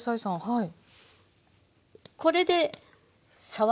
はい。